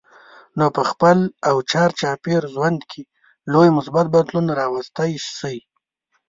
نو په خپل او چار چاپېره ژوند کې لوی مثبت بدلون راوستی شئ.